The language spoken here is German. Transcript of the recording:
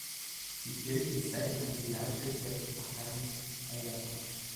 Die Kirche ist seitdem eine Filialkirche der Pfarrei Walderbach.